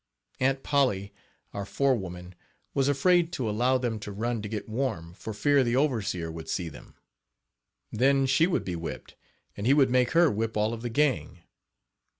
Aunt Polly, our forewoman, was afraid to allow them to run to get warm, for fear the overseer would see them. Then she would be whipped, and he would make her whip all of the gang.